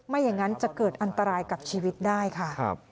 ไม่อย่างนั้นจะเกิดอันตรายกับชีวิตได้ค่ะ